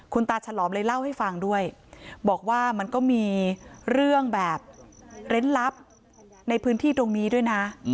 คุณตาฉลอมเลยเล่าให้ฟังด้วยบอกว่ามันก็มีเรื่องแบบเร้นลับในพื้นที่ตรงนี้ด้วยนะ